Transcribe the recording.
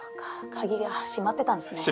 鍵が閉まってたんですねこれ。